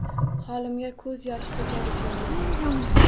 Holimga ko’z yoshi to’kadi shoir